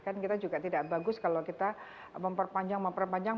kan kita juga tidak bagus kalau kita memperpanjang memperpanjang